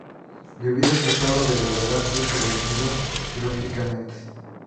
Debido a su estado de gravedad fue intervenido quirúrgicamente.